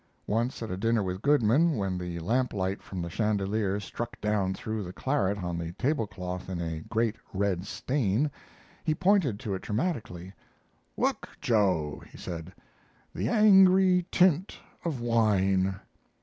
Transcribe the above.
Once at a dinner with Goodman, when the lamp light from the chandelier struck down through the claret on the tablecloth in a great red stain, he pointed to it dramatically "Look, Joe," he said, "the angry tint of wine."